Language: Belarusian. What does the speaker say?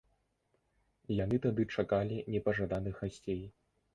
Яны тады чакалі непажаданых гасцей.